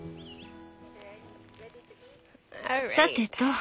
さてと。